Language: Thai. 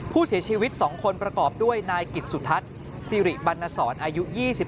ผู้เสียชีวิต๒คนประกอบด้วยนายกิจสุทัศน์สิริบรรณสรอายุ๒๓